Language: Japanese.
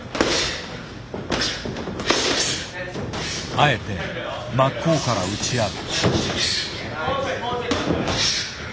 あえて真っ向から打ち合う。